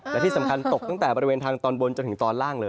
และที่สำคัญตกตั้งแต่บริเวณทางตอนบนจนถึงตอนล่างเลย